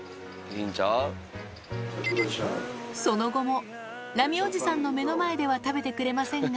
その後も、ラミおじさんの目の前では食べてくれませんが。